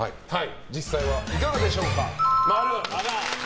実際はいかがでしょうか。